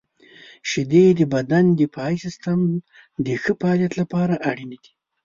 • شیدې د بدن د دفاعي سیستم د ښه فعالیت لپاره اړینې دي.